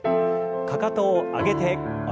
かかとを上げて下ろして。